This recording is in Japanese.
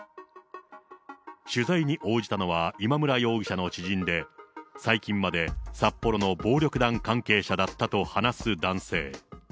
取材に応じたのは、今村容疑者の知人で、最近まで札幌の暴力団関係者だったと話す男性。